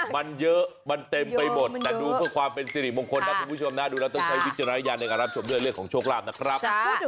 มันเยอะมันเต็มไปหมดแต่ดูเพื่อความเป็นสิริมงคลนะคุณผู้ชมนะดูแล้วต้องใช้วิจารณญาณในการรับชมด้วยเรื่องของโชคลาภนะครับ